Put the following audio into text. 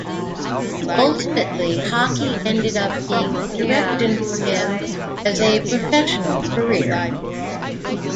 Ultimately hockey ended up being the direction for him as a professional career.